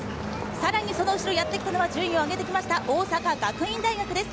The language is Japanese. さらにその後ろにやってきたのは順位を上げてきました、大阪学院大学です。